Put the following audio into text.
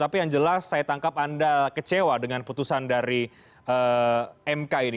tapi yang jelas saya tangkap anda kecewa dengan putusan dari mk ini